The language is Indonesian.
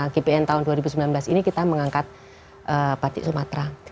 jadi gbn tahun dua ribu sembilan belas ini kita mengangkat batik sumatera